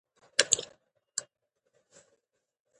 تعلیم نجونو ته د وطندوستۍ درس ورکوي.